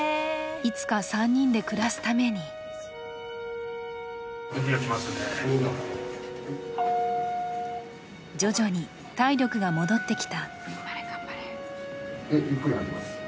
いつか３人で暮らすために徐々に体力が戻ってきた。